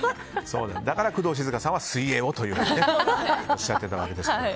だから工藤静香さんは水泳をとおっしゃってたわけですが。